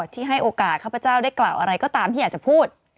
ที่ให้โอกาสข้าพเจ้าได้กล่าวอะไรก็ตามที่อยากจะพูด